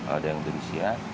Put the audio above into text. ada yang di rusia